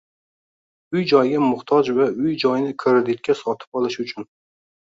Uy-joyga muhtoj va uy-joyni kreditga sotib olish uchun